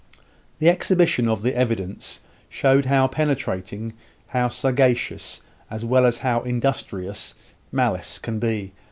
The exhibition of the evidence showed how penetrating, how sagacious, as well as how industrious, malice can be.